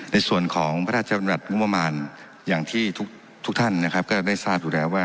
ในส่วนของพระราชบัญญัติงบประมาณอย่างที่ทุกท่านนะครับก็ได้ทราบอยู่แล้วว่า